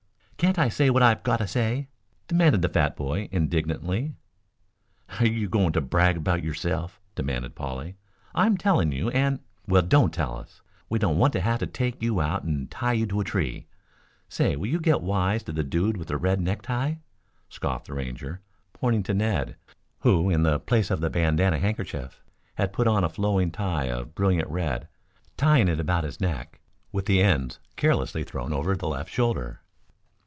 "Can't I say what I've got to say?" demanded the fat boy indignantly. "Are you going to brag about yourself?" demanded Polly. "I'm telling you, and " "Well, don't tell us. We don't want to have to take you out and tie you to a tree. Say, will you get wise to the dude with the red necktie?" scoffed the Ranger, pointing to Ned, who, in the place of the bandanna handkerchief, had put on a flowing tie of brilliant red, tying it about his neck, with the ends carelessly thrown over the left shoulder.